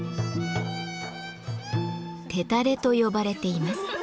「テタレ」と呼ばれています。